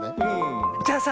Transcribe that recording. じゃあさ